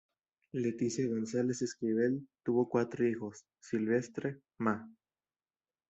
Leticia González Esquivel, tuvo cuatro hijos: Silvestre, Ma.